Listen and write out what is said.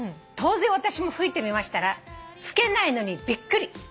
「当然私も吹いてみましたら吹けないのにびっくり」